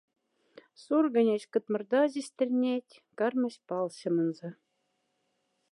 Соргонясь ктмордазе стирнять, кармась палсемонза.